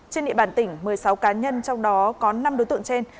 trên địa bàn tỉnh một mươi sáu cá nhân trong đó có năm đối tượng trên